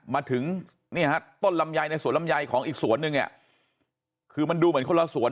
มาถึงต้นลำยายในสวนลำยายของอีกสวนนึงคือมันดูเหมือนคนละสวน